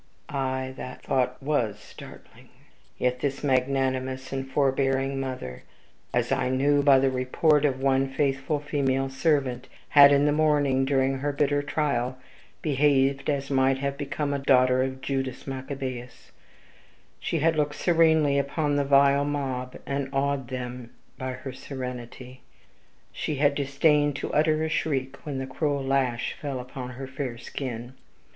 Aye, that thought WAS startling. Yet this magnanimous and forbearing mother, as I knew by the report of our one faithful female servant, had, in the morning, during her bitter trial, behaved as might have become a daughter of Judas Maccabaeus: she had looked serenely upon the vile mob, and awed even them by her serenity; she had disdained to utter a shriek when the cruel lash fell upon her fair skin.